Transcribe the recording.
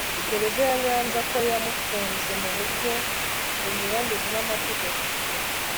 Gereza ya Nyanza ko yamufunze mu buryo bunyuranyije n amategeko